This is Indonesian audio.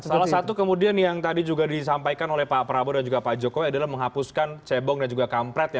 salah satu kemudian yang tadi juga disampaikan oleh pak prabowo dan juga pak jokowi adalah menghapuskan cebong dan juga kampret ya